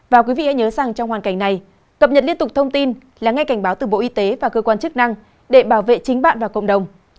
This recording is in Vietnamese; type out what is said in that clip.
và quý vị hãy nhớ rằng trong hoàn cảnh này cập nhật liên tục thông tin là ngay cảnh báo từ bộ y tế và cơ quan chức năng để bảo vệ chính bạn và cộng đồng